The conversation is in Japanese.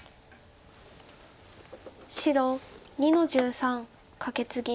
白２の十三カケツギ。